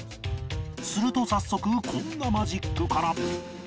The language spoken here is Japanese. すると早速こんなマジックから